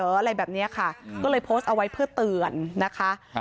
อะไรแบบเนี้ยค่ะก็เลยโพสต์เอาไว้เพื่อเตือนนะคะครับ